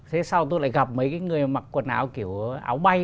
thế sau tôi lại gặp mấy cái người mặc quần áo kiểu áo bay